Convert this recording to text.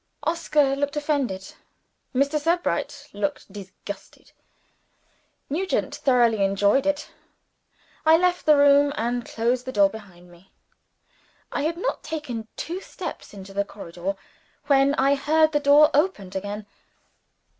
Oscar looked offended; Mr. Sebright looked disgusted; Nugent thoroughly enjoyed it. I left the room and closed the door behind me. I had not taken two steps in the corridor when I heard the door opened again.